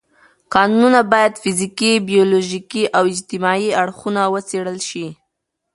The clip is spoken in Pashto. کانونه باید فزیکي، بیولوژیکي او اجتماعي اړخونه وڅېړل شي.